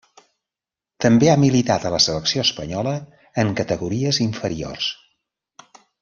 També ha militat a la selecció espanyola en categories inferiors.